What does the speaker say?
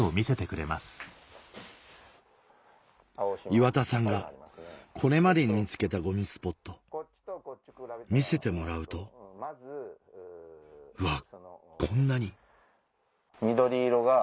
岩田さんがこれまでに見つけたゴミスポット見せてもらうとうわっ！